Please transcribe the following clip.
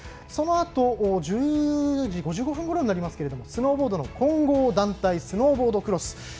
そのあと１０時５５分ごろスノーボードの混合団体スノーボードクロス。